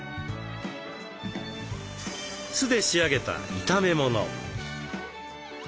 酢で仕上げた炒め物。